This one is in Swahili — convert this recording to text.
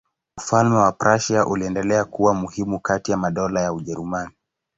Ufalme wa Prussia uliendelea kuwa muhimu kati ya madola ya Ujerumani.